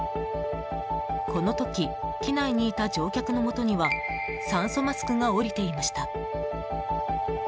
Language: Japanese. この時機内にいた乗客のもとには酸素マスクが下りていました。